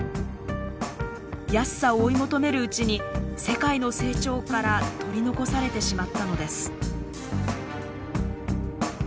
安さを追い求めるうちに世界の成長から取り残されてしまったのです。